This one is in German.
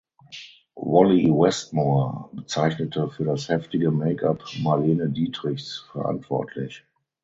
Wally Westmore zeichnete für das heftige Makeup Marlene Dietrichs verantwortlich.